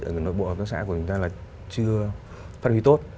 ở nội bộ hợp tác xã của chúng ta là chưa phát huy tốt